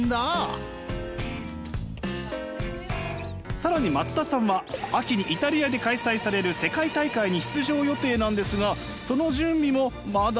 更に松田さんは秋にイタリアで開催される世界大会に出場予定なんですがその準備もまだまだ。